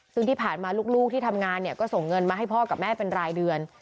ซึ่งที่ผ่านมาลูกที่ทำงานเนี่ยก็ส่งเงินมาให้พ่อกับแม่เป็นรายเดือน